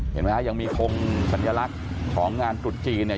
เห็นไหมฮะยังมีคมสัญลักษณ์ของงานตรุษจีนเนี่ย